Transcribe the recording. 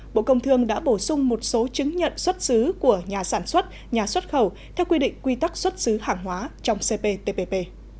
bộ công thương đã bổ sung một số chứng nhận xuất xứ của nhà sản xuất nhà xuất khẩu theo quy định quy tắc xuất xứ hàng hóa trong cptpp